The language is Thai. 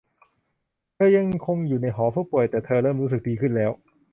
เธอยังคงอยู่ในหอผู้ป่วยแต่เธอเริ่มรู้สึกดีขึ้นแล้ว